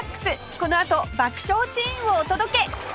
このあと爆笑シーンをお届け！